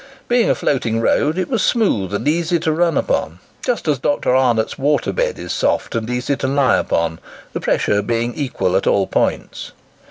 Being a floating road, it was smooth and easy to run upon, just as Dr. Arnott's water bed is soft and easy to lie upon—the pressure being equal at all points.